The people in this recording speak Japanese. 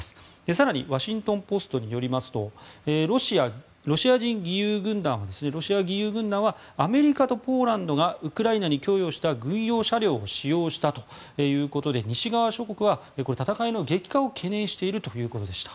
更にワシントン・ポストによりますとロシア義勇軍団はアメリカとポーランドがウクライナに供与した軍用車両を使用したということで西側諸国は戦いの激化を懸念しているということでした。